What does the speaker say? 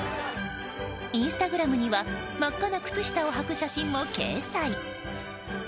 インスタグラムには真っ赤な靴下をはく写真も掲載。